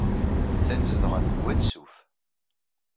Llan zedɣen deg Wad Suf.